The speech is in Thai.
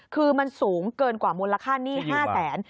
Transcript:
คือมันสูงเกินกว่ามูลค่าหนี้๕แสน